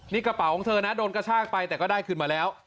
นี่กระเป๋าของเธอนะโดนกระชากไปแต่ก็ได้คืนมาแล้ว